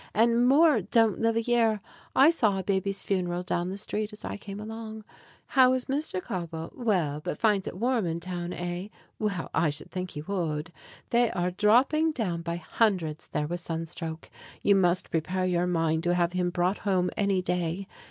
And more don't live a year. I saw a baby's funeral down the street as I came along. How is Mr. Kobble? Well, but finds it warm in town, eh? Well, I should think he would. They are dropping down by hundreds there with sun stroke. You must prepare your mind to have him brought home any day.